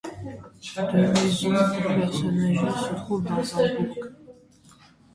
Deux maisons pour personnes âgées se trouvent dans le bourg.